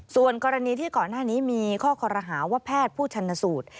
ส่วนกรณีที่ก่อนหน้านี้มีข้อคอรหาว่าแพทย์ผู้ชันสูตร